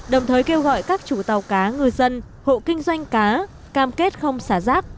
đồng thời kêu gọi các chủ tàu cá ngư dân hộ kinh doanh cá cam kết không xả rác